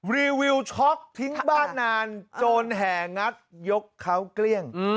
รีวิวช็อกทิ้งบ้านนานโจรแห่งัดยกเขาเกลี้ยง